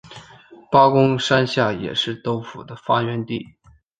八公山下也是豆腐的发源地。